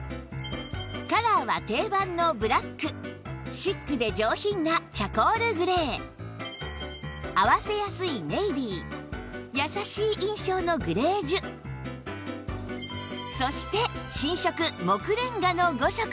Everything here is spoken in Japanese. カラーは定番のブラックシックで上品なチャコールグレー合わせやすいネイビー優しい印象のグレージュそして新色杢レンガの５色です